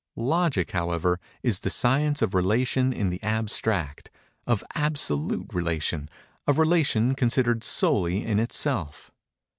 Logic, however, is the science of Relation in the abstract—of absolute Relation—of Relation considered solely in itself.